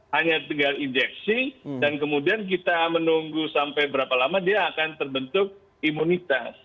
hanya tinggal injeksi dan kemudian kita menunggu sampai berapa lama dia akan terbentuk imunitas